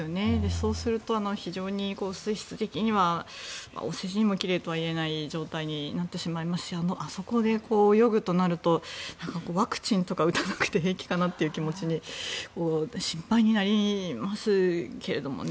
そうすると、非常に水質的にはお世辞にも奇麗とは言えない状態になってしまいますしあそこで泳ぐとなるとワクチンとか打たなくて平気かなという気持ちに心配になりますけれどね。